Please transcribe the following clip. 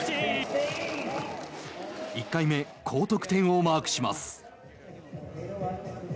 １回目高得点をマークします。